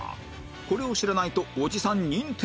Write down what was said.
これを知らないとおじさん認定